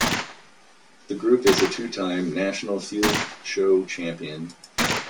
The group is a two-time national field show champion.